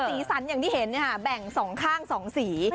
สีสันอย่างที่เห็นเนี่ยแบ่งสองข้างสองสี